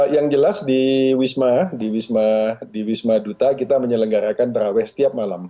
yang jelas di wisma di wisma duta kita menyelenggarakan terawih setiap malam